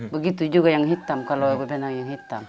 begitu juga yang hitam kalau benang yang hitam